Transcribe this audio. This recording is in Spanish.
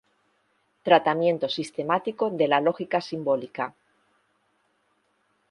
Tratamiento sistemático de la lógica simbólica.